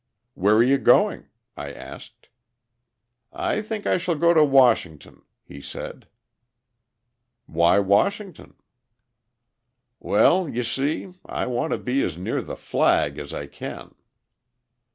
"Where are you going?" I asked. "I think I shall go to Washington," he said. "Why Washington?" "Well, you see, I want to be as near the flag as I can."